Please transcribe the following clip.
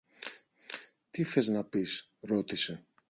Τι θες να πεις; ρώτησε.